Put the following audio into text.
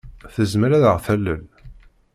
Tezmer ad aɣ-talel?